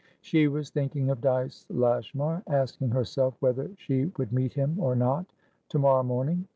She was thinking of Dyce Lashmar, asking herself whether she would meet him, or not, to morrow morning.